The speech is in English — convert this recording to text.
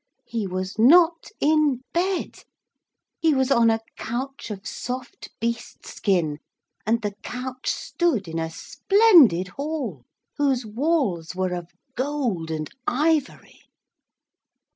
He was not in bed. He was on a couch of soft beast skin, and the couch stood in a splendid hall, whose walls were of gold and ivory.